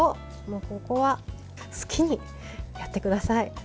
ここは好きにやってください。